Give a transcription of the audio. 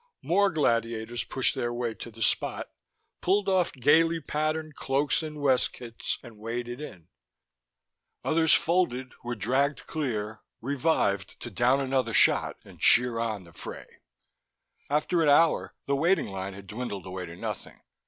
More gladiators pushed their way to the Spot, pulled off gaily patterned cloaks and weskits, and waded in. Others folded, were dragged clear, revived to down another and shot cheer on the fray. After an hour the waiting line had dwindled away to nothing.